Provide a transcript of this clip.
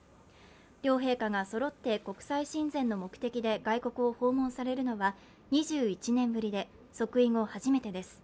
両陛下がそろって国際親善の目的で外国を訪問されるのは２１年ぶりで即位後初めてです。